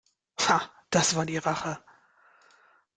Ha, das war die Rache!